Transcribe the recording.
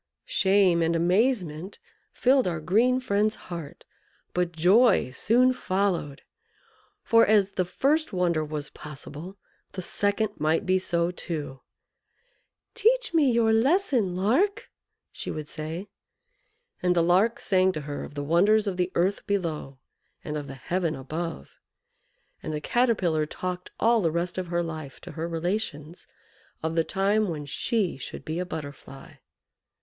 Shame and amazement filled our green friend's heart, but joy soon followed; for, as the first wonder was possible, the second might be so too. "Teach me your lesson, Lark!" she would say; and the Lark sang to her of the wonders of the earth below and of the heaven above. And the Caterpillar talked all the rest of her life to her relations of the time when she should be a Butterfly.